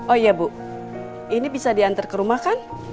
oh iya bu ini bisa diantar ke rumah kan